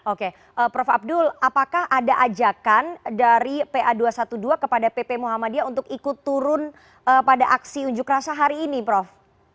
oke prof abdul apakah ada ajakan dari pa dua ratus dua belas kepada pp muhammadiyah untuk ikut turun pada aksi unjuk rasa hari ini prof